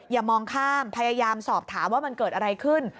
อย่ามองข้ามพยายามสอบถามว่ามันเกิดอะไรขึ้น